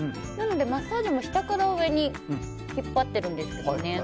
マッサージも下から上に引っ張っているんですね。